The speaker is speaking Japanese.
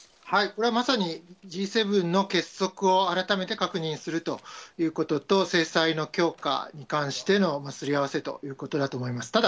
まさにＧ７の結束を改めて確認するということと、制裁の強化に関してのすり合わせということだと思います。